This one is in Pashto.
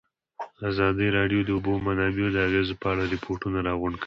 ازادي راډیو د د اوبو منابع د اغېزو په اړه ریپوټونه راغونډ کړي.